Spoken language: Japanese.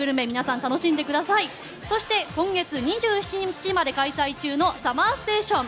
今月２７日まで開催中のＳＵＭＭＥＲＳＴＡＴＩＯＮ。